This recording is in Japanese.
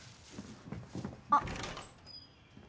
あっ。